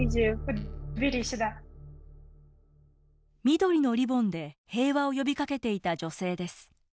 緑のリボンで平和を呼びかけていた女性です。